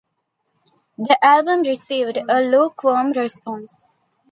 The album received a lukewarm response.